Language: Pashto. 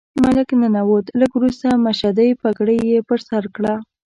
ملک ننوت، لږ وروسته مشدۍ پګړۍ یې پر سر کړه.